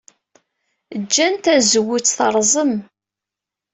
Jjan tazewwut terẓem.